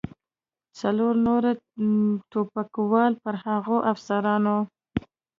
څلور نور ټوپکوال پر هغو افسرانو.